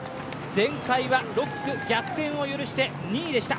前回は６区逆転を許して２位でした。